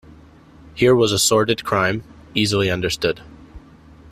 Here was a sordid crime, easily understood.